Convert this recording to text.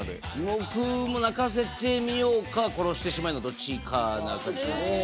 僕も鳴かせてみようか殺してしまえのどっちかな感じしますねああ